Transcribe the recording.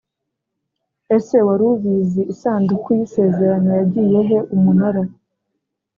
Ese wari ubizi Isanduku y isezerano yagiye he Umunara